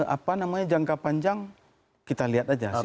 apa namanya jangka panjang kita lihat aja